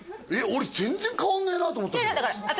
俺全然変わんねえなと思ったけどだから私